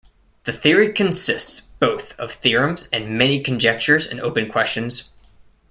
The theory consists both of theorems and many conjectures and open questions.